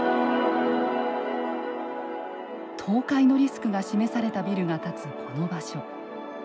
倒壊のリスクが示されたビルが立つこの場所。